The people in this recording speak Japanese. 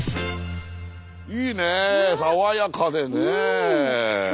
いいね爽やかでね。